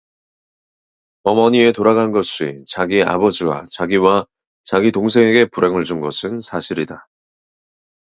어머니의 돌아간 것이 자기 아버지와 자기와 자기 동생에게 불행을 준 것은 사실이다.